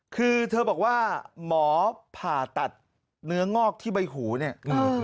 คือเธอบอกว่าหมอผ่าตัดเนื้องอกที่ใบหูเนี่ย